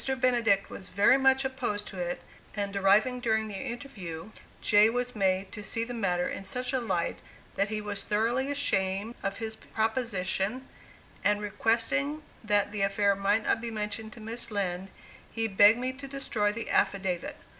Benedict was very much opposed to it, and arriving during the interview, Jay was made to see the matter in such a light that he was thoroughly ashamed of his proposition, and, requesting that the affair might not be mentioned to Miss Lind, he begged me to destroy the affidavit.